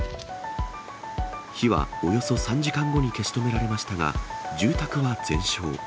火はおよそ３時間後に消し止められましたが、住宅は全焼。